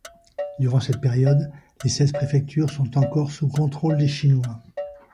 Durant cette période, les Seize préfectures sont encore sous contrôle des Chinois.